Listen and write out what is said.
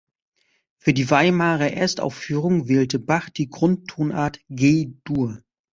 Für die Weimarer Erstaufführung wählte Bach die Grundtonart G-Dur.